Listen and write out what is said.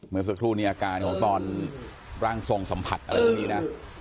เมื่อสักครู่นี้อาการของตอนร่างทรงสัมผัสอะไรพวกนี้นะ